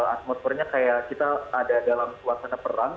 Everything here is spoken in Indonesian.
atmosfernya kayak kita ada dalam suasana perang